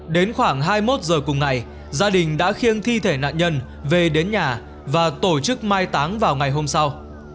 đến khoảng hai mươi một h cùng ngày gia đình đã khiêng thi thể nạn nhân về đến nhà và tổ chức mai táng vào ngày hôm sau